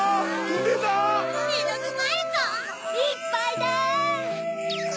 いっぱいだ！